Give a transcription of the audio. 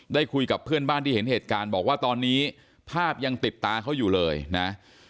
คุยกับเพื่อนบ้านที่เห็นเหตุการณ์บอกว่าตอนนี้ภาพยังติดตาเขาอยู่เลยนะ